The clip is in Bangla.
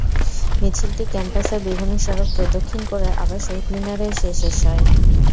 মিছিলটি ক্যাম্পাসের বিভিন্ন সড়ক প্রদক্ষিণ করে আবার শহীদ মিনারে এসে শেষ হয়।